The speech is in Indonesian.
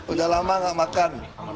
udah lama gak makan